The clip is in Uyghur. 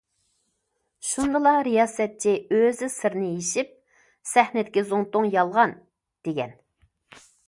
شۇندىلا رىياسەتچى ئۆزى سىرنى يېشىپ:« سەھنىدىكى زۇڭتۇڭ يالغان» دېگەن.